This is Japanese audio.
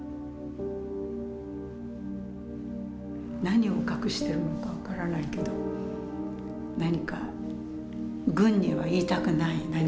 何を隠してるのか分からないけど何か軍には言いたくない何かを。